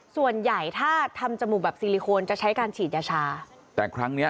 ส่วนใหญ่ถ้าทำจมูกแบบซีลิโคนจะใช้การฉีดยาชา